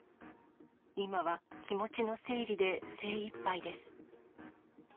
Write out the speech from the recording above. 今は気持ちの整理で精いっぱいです。